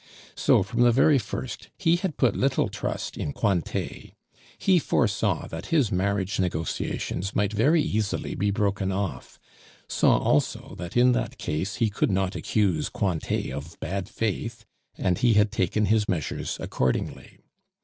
So, from the very first, he had put little trust in Cointet. He foresaw that his marriage negotiations might very easily be broken off, saw also that in that case he could not accuse Cointet of bad faith, and he had taken his measures accordingly.